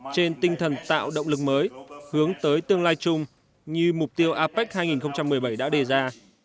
trên tinh thần tạo động lực mới hướng tới tương lai chung như mục tiêu apec hai nghìn một mươi bảy đã đề ra